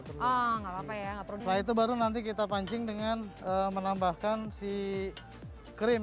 perlu enggak apa apa ya nggak perlu itu baru nanti kita pancing dengan menambahkan si krim